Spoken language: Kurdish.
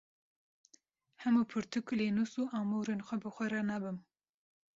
Hemû pirtûk, lênûs û amûrên xwe bi xwe re nabim.